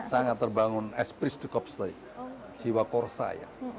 iya sangat terbangun esprit de corps siwa korsa ya